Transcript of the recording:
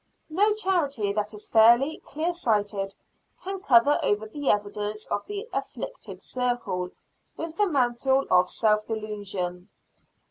No charity that is fairly clear sighted, can cover over the evidence of the "afflicted circle" with the mantle of self delusion.